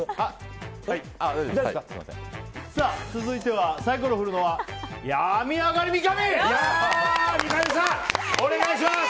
続いてサイコロ振るのは病み上がりの三上！